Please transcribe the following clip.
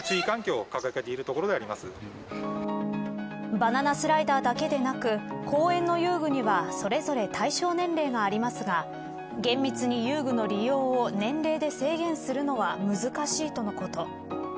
バナナスライダーだけでなく公園の遊具にはそれぞれ対象年齢がありますが厳密に遊具の利用を年齢で制限するのは難しいとのこと。